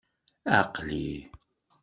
Aql-i!